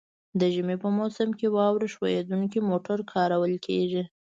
د ژمي په موسم کې واوره ښوییدونکي موټر کارول کیږي